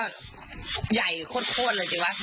อ๋อแต่ว่ามันการให้พี่ไปถอนให้